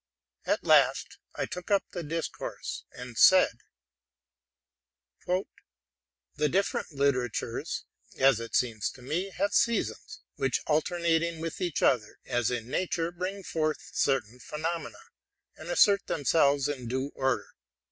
At last I took up the discourse, and said, '* The different literatures, as it seems to me, haye seasons, which, alternating with each other, as in nature, bring forth certain phenomena, and assert themselves in due order.